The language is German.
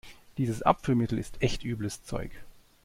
Dieses Abführmittel ist echt übles Zeug.